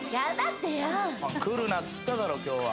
来るなっつっただろ今日は。